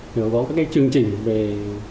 thì có các cái chương trình về môi trường